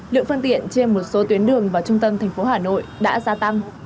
lượng phương tiện trên một số tuyến đường vào trung tâm thành phố hà nội đã gia tăng